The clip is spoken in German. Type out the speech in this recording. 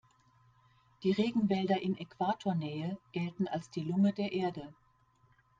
Die Regenwälder in Äquatornähe gelten als die Lunge der Erde.